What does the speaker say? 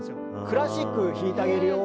「クラシック弾いてあげるよ